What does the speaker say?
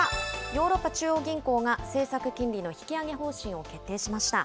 ヨーロッパ中央銀行が政策金利の引き上げ方針を決定しました。